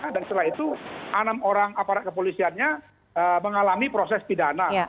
dan setelah itu enam orang aparat kepolisiannya mengalami proses pidana